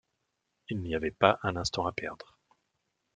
Il n’y avait pas un instant à perdre.